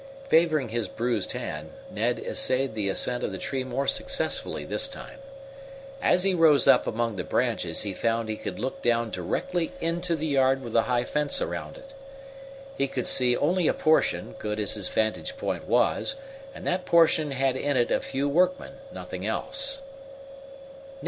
Favoring his bruised hand, Ned essayed the ascent of the tree more successfully this time. As he rose up among the branches he found he could look down directly into the yard with the high fence about it. He Could see only a portion, good as his vantage point was, and that portion had in it a few workmen nothing else.